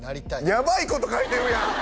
やばいこと書いてるやん！